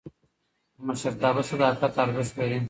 د مشرتابه صداقت ارزښت لري